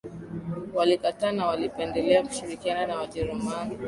Walikataa na walipendelea kushirikiana na Wajerumani